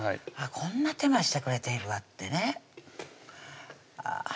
こんな手間してくれているわってねあぁ